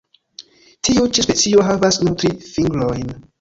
Tiu ĉi specio havas nur tri fingrojn.